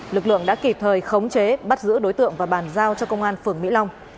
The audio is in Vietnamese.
lực lượng đã kịp thời khống chế bắt giữ đối tượng và bàn giao cho công an phường mỹ long